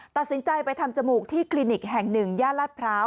ตัดสินใจไปทำจมูกที่คลินิกแห่งหนึ่งย่านลาดพร้าว